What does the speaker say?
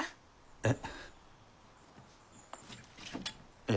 えっ！